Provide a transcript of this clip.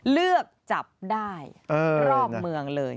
เลือกจับได้รอบเมืองเลย